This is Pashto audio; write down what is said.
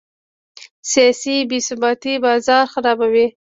سیاسي بې ثباتي بازار خرابوي.